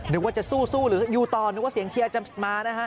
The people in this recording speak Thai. นึกว่าจะสู้หรืออยู่ต่อนึกว่าเสียงเชียร์จะมานะฮะ